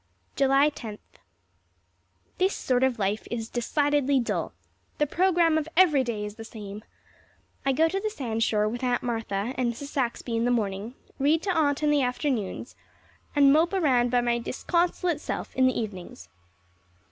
July Tenth. This sort of life is decidedly dull. The program of every day is the same. I go to the sandshore with Aunt Martha and Mrs. Saxby in the morning, read to Aunt in the afternoons, and mope around by my disconsolate self in the evenings.